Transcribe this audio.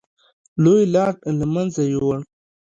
لوی لاټ له منځه یووړ.